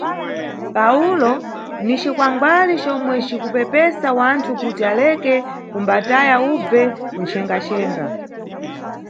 Pawulo Ni cikwangwali comwe cikupepesa wanthu kuti aleke kumbataya ubve kunchengaxenga.